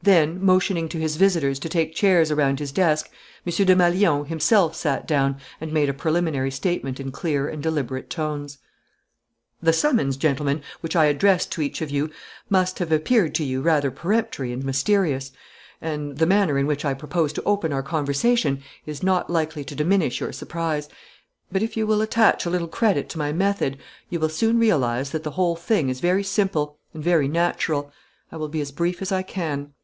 Then, motioning to his visitors to take chairs around his desk, M. Desmalions himself sat down and made a preliminary statement in clear and deliberate tones: "The summons, gentlemen, which I addressed to each of you, must have appeared to you rather peremptory and mysterious. And the manner in which I propose to open our conversation is not likely to diminish your surprise. But if you will attach a little credit to my method, you will soon realize that the whole thing is very simple and very natural. I will be as brief as I can."